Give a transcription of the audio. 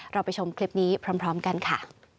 เราไปชมคลิปนี้พร้อมกันค่ะ